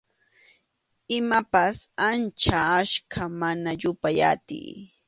Imapas ancha achka, mana yupay atiy.